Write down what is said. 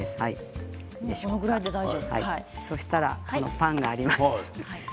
そうしたら、パンがあります。